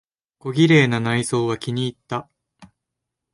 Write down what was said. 小綺麗な内装は気にいった。